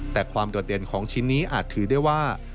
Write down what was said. แต่ความโดดเด่นของชิ้นนี้อาจถือได้ว่า